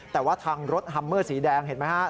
แต่ว่าทางรถฮัมเมอร์สีแดงเห็นไหมครับ